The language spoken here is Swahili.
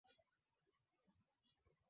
Nilikutana na rais jana